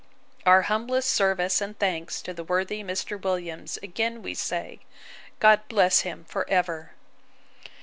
'Our humblest service and thanks to the worthy Mr. Williams. Again we say, God bless him for ever!